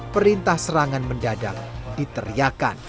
perintah serangan mendadak diteriakan